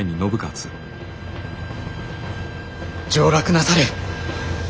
上洛なされ。